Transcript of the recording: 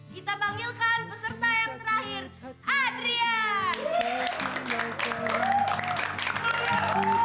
kita banggilkan peserta yang terakhir